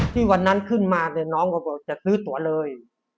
ที่วันนั้นขึ้นมาเนี่ยน้องเขาบอกจะซื้อตัวเลย